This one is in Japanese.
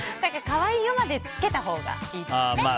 可愛いよまでつけたほうがいいですね。